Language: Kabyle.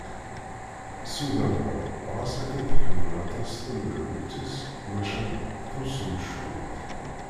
Sudaba ɣas akken tḥemmel aṭas tameddakelt-is maca tusem cwiṭ.